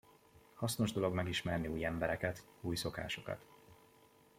Hasznos dolog megismerni új embereket, új szokásokat!